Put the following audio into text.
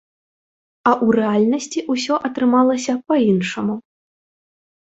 А ў рэальнасці ўсё атрымалася па-іншаму.